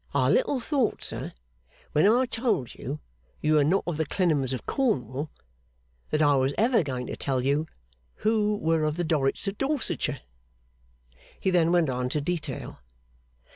I little thought, sir, when I told you you were not of the Clennams of Cornwall, that I was ever going to tell you who were of the Dorrits of Dorsetshire.' He then went on to detail.